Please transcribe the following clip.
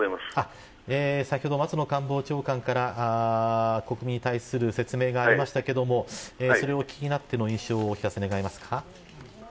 先ほど、松野官房長官から国民に対する説明がありましたけれどもそれをお聞きになっての印象をお聞かせいただけますか。